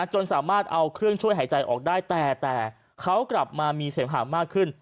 จนสามารถเอาเครื่องช่วยหายใจออกได้แต่เขากลับมามีเสมหามากขึ้น